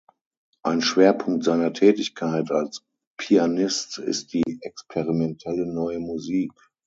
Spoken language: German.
Ein Schwerpunkt seiner Tätigkeit als Pianist ist die experimentelle Neue Musik.